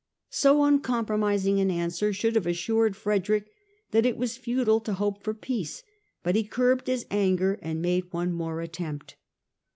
So uncom promising an answer should have assured Frederick that it was futile to hope for peace, but he curbed his anger and made one more attempt.